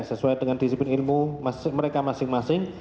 sesuai dengan disiplin ilmu mereka masing masing